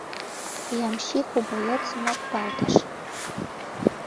— ямщик у боецым мокталтыш.